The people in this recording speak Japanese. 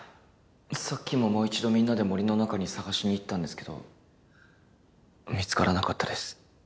さっきももう一度みんなで森の中に捜しに行ったんですけど見つからなかったです。